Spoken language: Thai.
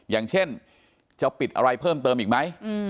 อย่างเช่นจะปิดอะไรเพิ่มเติมอีกไหม